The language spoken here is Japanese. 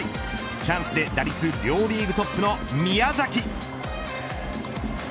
チャンスで打率両リーグトップの宮崎。